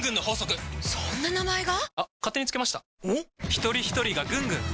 ひとりひとりがぐんぐん！